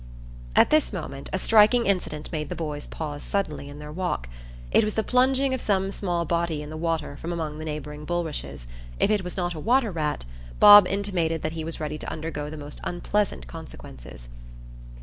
At this moment a striking incident made the boys pause suddenly in their walk. It was the plunging of some small body in the water from among the neighbouring bulrushes; if it was not a water rat, Bob intimated that he was ready to undergo the most unpleasant consequences.